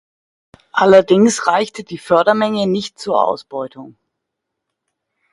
Allerdings reichte die Fördermenge nicht zur Ausbeutung.